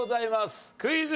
クイズ。